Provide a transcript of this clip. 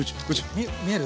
あ見える！